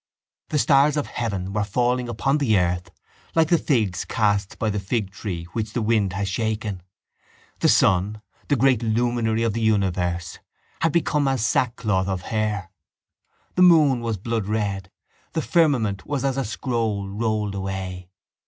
The stars of heaven were falling upon the earth like the figs cast by the figtree which the wind has shaken. The sun, the great luminary of the universe, had become as sackcloth of hair. The moon was bloodred. The firmament was as a scroll rolled away.